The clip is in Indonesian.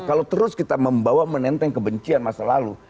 kalau terus kita membawa menenteng kebencian masa lalu